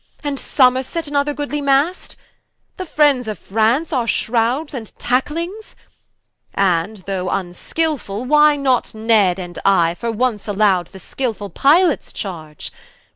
And Somerset, another goodly Mast? The friends of France our Shrowds and Tacklings? And though vnskilfull, why not Ned and I, For once allow'd the skilfull Pilots Charge?